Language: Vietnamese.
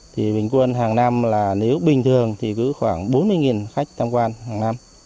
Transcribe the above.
thì bình quân hàng năm là nếu bình thường thì cứ khoảng bốn mươi khách tham quan hàng năm